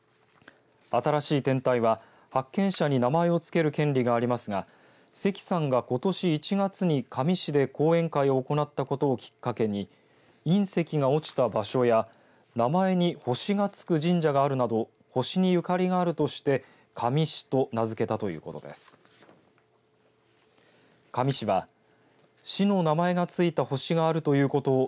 新しい天体は発見者に名前を付ける権利がありますが関さんが、ことし１月に香美市で講演会を行ったことをきっかけに隕石が落ちた場所や名前に星がつく神社があるなど星に、ゆかりがあるとしてＫａｍｉｓｈｉと名付けたということです。